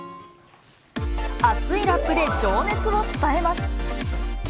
熱いラップで情熱を伝えます。